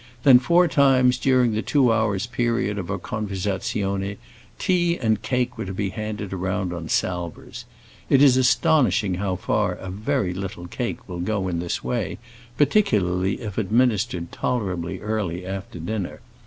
Then four times during the two hours' period of her conversazione tea and cake were to be handed round on salvers. It is astonishing how far a very little cake will go in this way, particularly if administered tolerably early after dinner.